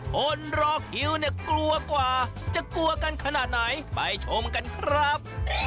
คนรอคิวเนี่ยกลัวกว่าจะกลัวกันขนาดไหนไปชมกันครับ